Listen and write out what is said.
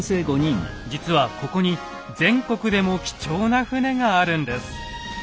実はここに全国でも貴重な船があるんです。